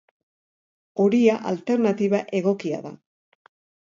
Horia alternatiba egokia da.